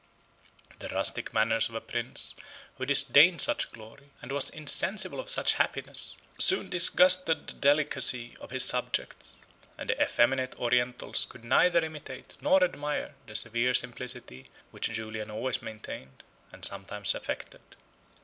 The rustic manners of a prince who disdained such glory, and was insensible of such happiness, soon disgusted the delicacy of his subjects; and the effeminate Orientals could neither imitate, nor admire, the severe simplicity which Julian always maintained, and sometimes affected.